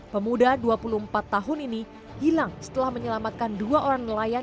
pemuda dua puluh empat tahun ini hilang setelah menyelamatkan dua orang nelayan